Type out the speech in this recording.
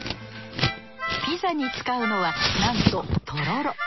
ピザに使うのはなんととろろ。